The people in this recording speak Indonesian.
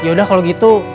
yaudah kalau gitu